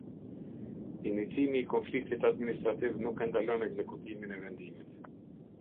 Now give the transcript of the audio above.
Inicimi i konfliktit administrativ nuk e ndalon ekzekutimin e vendimit.